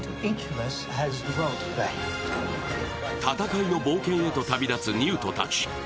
戦いの冒険へと旅立つニュートたち。